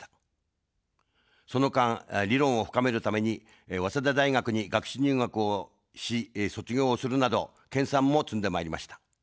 その間、理論を深めるために、早稲田大学に学士入学をし、卒業するなど、研さんも積んでまいりました。